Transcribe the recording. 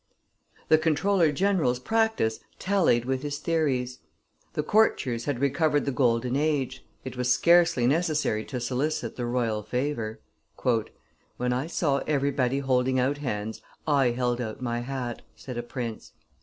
The comptroller general's practice tallied with his theories; the courtiers had recovered the golden age; it was scarcely necessary to solicit the royal favor. "When I saw everybody holding out hands, I held out my hat," said a prince.